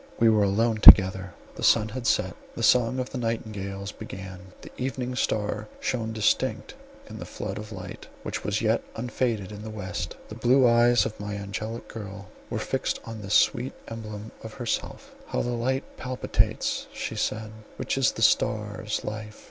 We were alone together; the sun had set; the song of the nightingales began; the evening star shone distinct in the flood of light, which was yet unfaded in the west. The blue eyes of my angelic girl were fixed on this sweet emblem of herself: "How the light palpitates," she said, "which is that star's life.